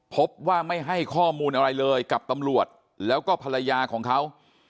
พบว่าไม่ให้ข้อมูลอะไรเลยกับตำรวจแล้วก็ภรรยาของเขา